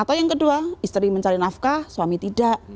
atau yang kedua istri mencari nafkah suami tidak